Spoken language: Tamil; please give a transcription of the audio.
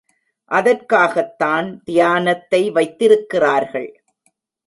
அதற்காகத்தான் தியானத்தை வைத்திருக்கிறார்கள்.